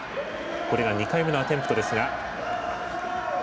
これが２回目のアテンプトですが。